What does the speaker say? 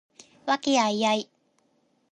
和気藹々